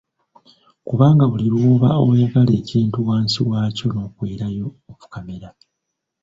Kubanga buli lw'oba oyagala ekintu wansi waakyo n’okwerayo ofukamira.